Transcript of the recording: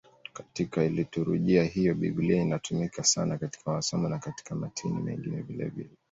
Katika liturujia hiyo Biblia inatumika sana katika masomo na katika matini mengine vilevile.